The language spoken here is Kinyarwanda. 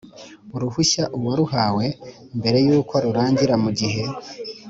Uruhushya uwaruhawe mbere y uko rurangira mu gihe